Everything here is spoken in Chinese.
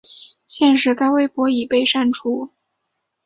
现时该微博已被删除。